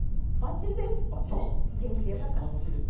元気でよかった。